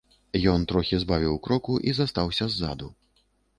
Ён трохі збавіў кроку і застаўся ззаду.